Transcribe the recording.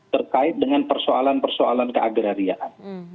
terkait dengan persoalan persoalan keagrariaan